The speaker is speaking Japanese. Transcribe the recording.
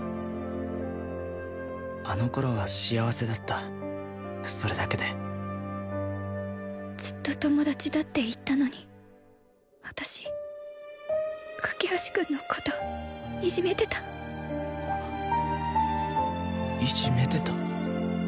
あの頃は幸せだったそれだけでずっと友達だって言ったのに私架橋君のこといじめてたいじめてた？